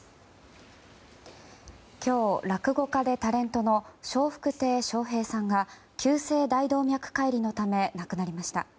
今日、落語家でタレントの笑福亭笑瓶さんが急性大動脈解離のため亡くなりました。